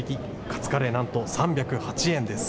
カツカレー、なんと３０８円です。